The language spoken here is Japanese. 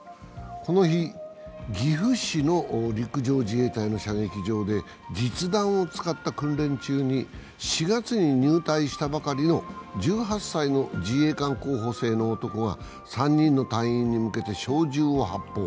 この日、岐阜市の陸上自衛隊の射撃場で実弾を使った訓練中に、４月に入隊したばかりの１８歳の自衛官候補生の男が３人の隊員に向けて小銃を発砲。